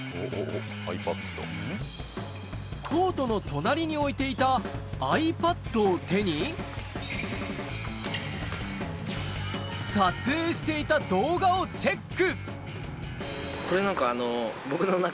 コートの隣に置いていたｉＰａｄを手に、撮影していた動画をチェック。